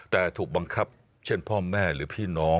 แต่ถูกบังคับเช่นพ่อแม่หรือพี่น้อง